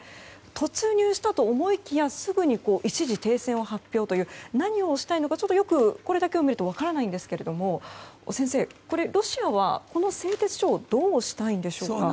突入したと思いきやすぐに一時停戦を発表という何をしたいのか、これだけ見るとよく分からないんですけれども先生、ロシアはこの製鉄所をどうしたいんでしょうか。